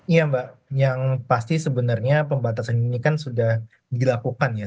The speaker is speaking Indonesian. iya mbak yang pasti sebenarnya pembatasan ini kan sudah dilakukan ya